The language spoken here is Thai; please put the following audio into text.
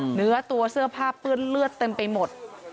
เหนือตัวเสื้อผ้าเปื้อนเลือดเต็มไปหมด